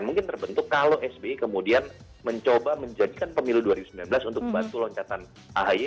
mungkin terbentuk kalau sby kemudian mencoba menjadikan pemilu dua ribu sembilan belas untuk bantu loncatan ahi